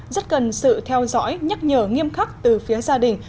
rất cần sự theo dõi nhắc nhở nghiêm khắc từ phía gia đình